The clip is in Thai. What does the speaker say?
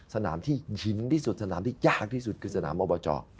สนามที่หินที่สุดสนามที่ยากที่สุดคือสนามอบจ